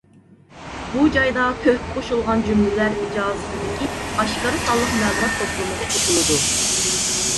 بۇ جايدا تۆھپە قوشۇلغان جۈملىلەر ئىجازىتىدىكى ئاشكارا سانلىق مەلۇمات توپلىمىغا قوشۇلىدۇ.